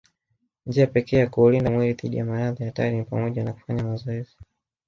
Njia pekee ya kuulinda mwili dhidi ya maradhi hatari ni pamoja na kufanya mazoezi